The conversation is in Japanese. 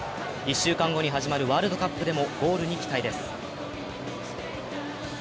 １週間後に始まるワールドカップでもゴールに期待です。